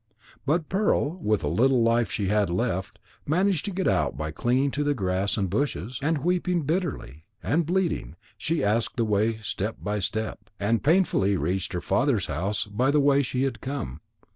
But Pearl, with the little life she had left, managed to get out by clinging to the grass and bushes, and weeping bitterly, and bleeding, she asked the way step by step, and painfully reached her father's house by the way she had come.